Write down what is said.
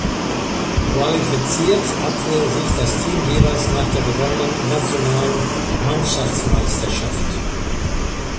Qualifiziert hatte sich das Team jeweils nach der gewonnenen nationalen Mannschaftsmeisterschaft.